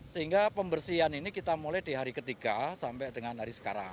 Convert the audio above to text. sehingga pembersihan ini kita mulai di hari ketiga sampai dengan hari sekarang